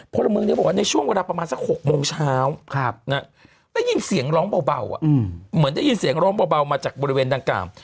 พลเมืองนี้บอกว่าในช่วงเวลาประมาณสัก๖โมงเช้าได้ยินเสียงร้องเบาเหมือนได้ยินเสียงร้องเบามาจากบริเวณดังกล่าว